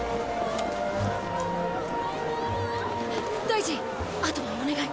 大臣あとはお願い。